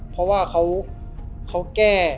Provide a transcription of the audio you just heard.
เพราะว่าเขาแก้